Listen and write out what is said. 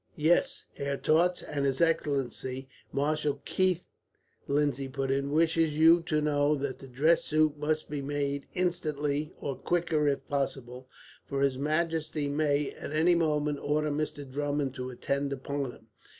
"Yes, Herr Tautz; and his excellency, Marshal Keith," Lindsay put in, "wishes you to know that the dress suit must be made instantly, or quicker if possible; for his majesty may, at any moment, order Mr. Drummond to attend upon him.